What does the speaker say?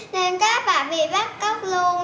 nên các bạn bị bắt cóc luôn